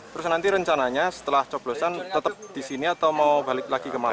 terus nanti rencananya setelah coblosan tetap disini atau mau balik lagi ke malang